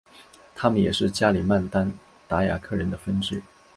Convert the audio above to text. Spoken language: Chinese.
他们也是加里曼丹达雅克人的分支。